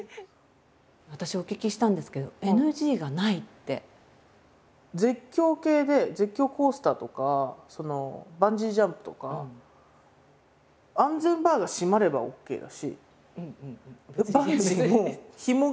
私お聞きしたんですけど絶叫系で絶叫コースターとかバンジージャンプとか安全バーが閉まればＯＫだしバンジーもひもが丈夫であればＯＫだし。